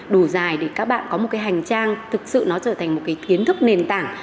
đủ dài để các bạn có một cái hành trang thực sự nó trở thành một cái kiến thức nền tảng